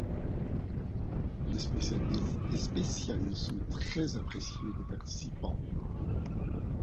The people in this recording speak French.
Les spéciales sont très appréciées des participants.